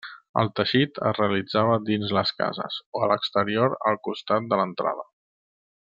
El teixit es realitzava dins les cases o a l’exterior al costat de l’entrada.